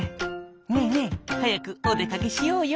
「ねえねえはやくおでかけしようよ！」。